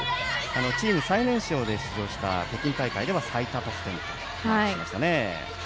チーム最年少で出場した北京大会では最多得点となりました。